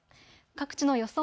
各地の予想